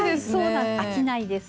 飽きないです。